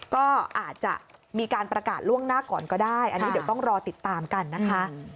ก็อาจจะมีการประกาศล่วงหน้าก่อนก็ได้อันนี้เดี๋ยวต้องรอติดตามกันนะคะ